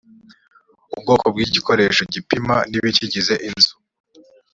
ubwoko bw igikoresho gipima n ibikigize inzu